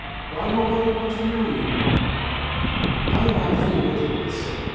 Why nobody want to marry you?" "I am not full witted, they say.